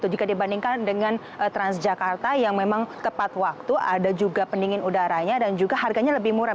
jika dibandingkan dengan transjakarta yang memang tepat waktu ada juga pendingin udaranya dan juga harganya lebih murah